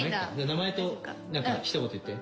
名前と何か一言言って。